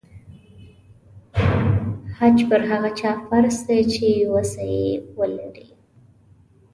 حج پر هغه چا فرض دی چې وسه یې ولري.